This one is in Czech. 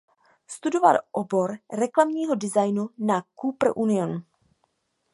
Studoval obor reklamního designu na Cooper Union.